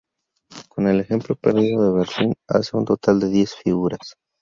Con el ejemplo perdido de Berlín, hace un total de diez figuras.